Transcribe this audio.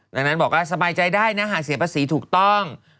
ดังนั้นบอกว่าสบายใจได้นะหากเสียภาษีถูกต้อง